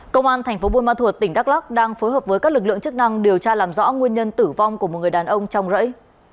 công an thành phố buôn ma thuột tỉnh đắk lắc đang phối hợp với các lực lượng chức năng điều tra làm rõ nguyên nhân tử vong của một người đàn ông trong rẫy